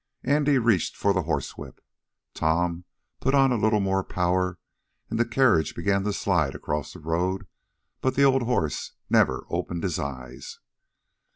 Andy reached for the horsewhip. Tom put on a little more power, and the carriage began to slide across the road, but the old horse never opened his eyes.